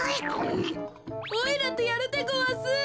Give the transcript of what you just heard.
おいらとやるでごわす。